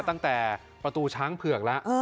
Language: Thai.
ตั้งแต่ประตูช้างเผือกแล้ว